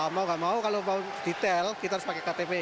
mau gak mau kalau mau detail kita harus pakai ktp